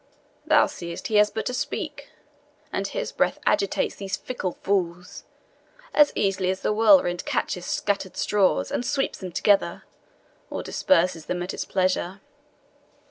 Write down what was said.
Thou seest he has but to speak, and his breath agitates these fickle fools as easily as the whirlwind catcheth scattered straws, and sweeps them together, or disperses them at its pleasure."